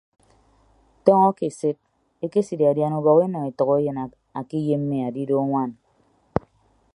Tọọñọ ke eset ekesidadian ubọk enọ etәkeyịn akeyemme adidọ anwaan.